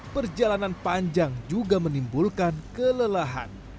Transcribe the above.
perjalanan panjang juga menimbulkan kelelahan